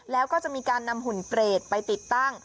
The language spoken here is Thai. แล้วก็จะมีการนำหุ่นเกรดไปติดตั้ง